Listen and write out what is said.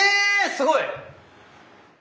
すごい！